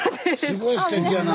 すごいすてきやな。